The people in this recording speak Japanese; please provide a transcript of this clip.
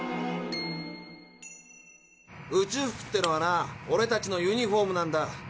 宇宙服ってのはなオレたちのユニフォームなんだ。